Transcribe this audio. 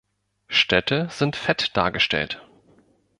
Städte sind fett dargestellt.